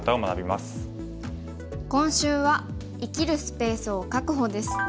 今週は「生きるスペースを確保」です。